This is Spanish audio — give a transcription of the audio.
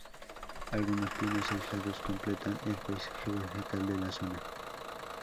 Algunos pinos aislados completan el paisaje vegetal de la zona.